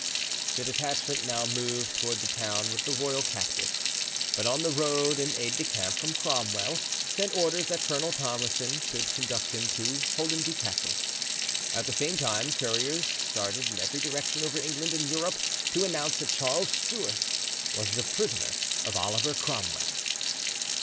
The detachment now moved toward the town with the royal captive; but on the road an aide de camp, from Cromwell, sent orders that Colonel Tomlison should conduct him to Holdenby Castle. At the same time couriers started in every direction over England and Europe to announce that Charles Stuart was the prisoner of Oliver Cromwell.